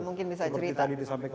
mungkin bisa cerita